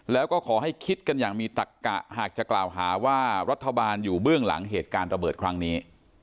แล้วก็ขอให้คิดกันอย่างมีตักกะหากจะกล่าวหาว่ารัฐบาลอยู่เบื้องหลังเหตุการณ์ระเบิดครั้งนี้